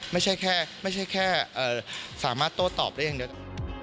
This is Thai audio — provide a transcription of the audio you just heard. ไม่ใช่แค่สามารถโต้ตอบได้อย่างเดียว